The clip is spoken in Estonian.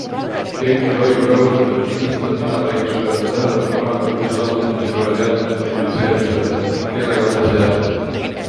Erki Loigom rõhutab, et kindlasti tuleb hinnapäringus pöörata tähelepanu vana katuse lammutamise korral jäätmete utiliseerimisele - kelle kanda see jääb?